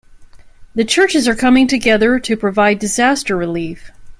The churches are coming together to provide disaster relief.